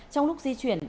trong lúc di chuyển